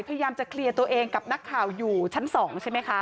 พยายามจะเคลียร์ตัวเองกับนักข่าวอยู่ชั้น๒ใช่ไหมคะ